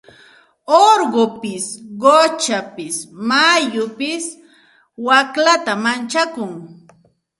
Urqupis quchapis mayupis waklita manchakun.